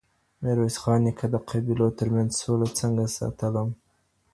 ميرويس خان نيکه د قبیلو ترمنځ سوله څنګه ساتله؟